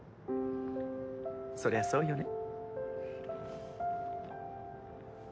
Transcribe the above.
そりゃあそうよね？